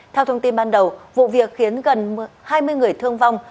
theo thông tin ban đầu vụ việc khiến gần hai mươi người thương vong